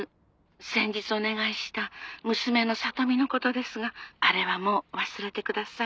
「先日お願いした娘の聡美の事ですがあれはもう忘れてください」